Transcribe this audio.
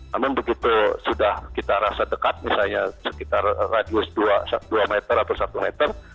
namun begitu sudah kita rasa dekat misalnya sekitar radius dua meter atau satu meter